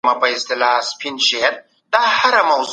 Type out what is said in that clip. په هغه وخت کي د نظر زغم بيخي شتون نه درلود.